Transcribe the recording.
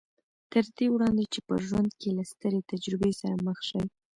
تر دې وړاندې چې په ژوند کې له سترې تجربې سره مخ شي